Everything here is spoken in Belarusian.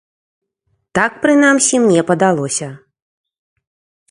Так, прынамсі, мне падалося.